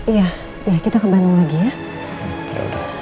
iya ya kita ke bandung lagi ya